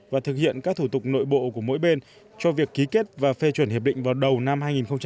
và thực hiện các thủ tục nội bộ của mỗi bên cho việc ký kết và phê chuẩn hiệp định vào đầu năm hai nghìn một mươi chín